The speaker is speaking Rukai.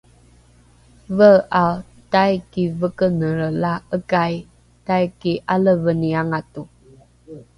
vee’ao taiki vekenelre la ’ekai taiki aleveni ’angato